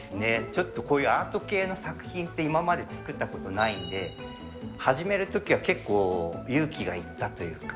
ちょっとこういうアート系の作品って、今まで作ったことないんで、始めるときは結構、勇気がいったというか。